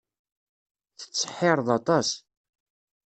Tettseḥḥireḍ aṭas.